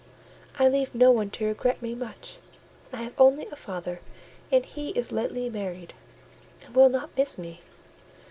I leave no one to regret me much: I have only a father; and he is lately married, and will not miss me.